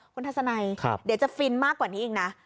คุณทัศนัยเดี๋ยวจะฟินมากกว่านี้อีกนะ